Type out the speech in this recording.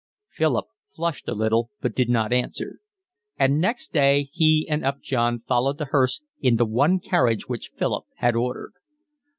Philip flushed a little, but did not answer; and next day he and Upjohn followed the hearse in the one carriage which Philip had ordered.